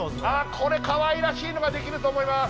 これかわいらしいのができると思います。